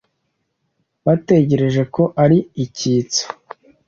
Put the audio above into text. Batekereje ko ari icyitso.